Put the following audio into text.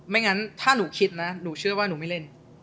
งั้นถ้าหนูคิดนะหนูเชื่อว่าหนูไม่เล่น